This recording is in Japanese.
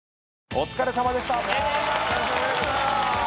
お疲れさまでした。